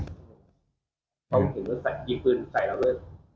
ต้องถึงว่าใส่กี่พื้นใส่แล้วด้วย